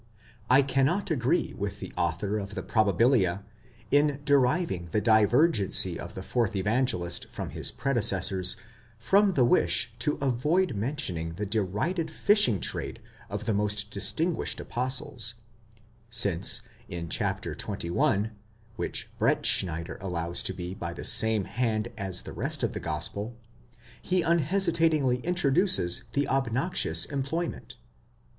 I cannot agree with the author of the Probabilia,!* in deriving the divergency of the fourth Evangelist from his predecessors, from the wish to avoid mentioning the derided fishing trade of the most distinguished apostles; since in chap. xxi., which Bretschneider allows to be by the same hand as the rest of the gospel, he unhesitatingly introduces the obnoxious employment.